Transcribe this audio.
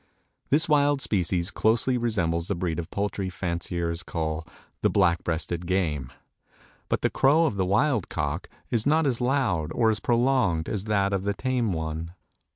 This wild species closely resembles the breed of poultry fanciers called the "Black breasted Game," but the crow of the wild cock is not as loud or prolonged as that of the tame one.